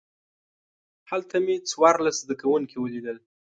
هلته مې څوارلس زده کوونکي ولیدل.